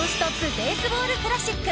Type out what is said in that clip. ベースボール・クラシック。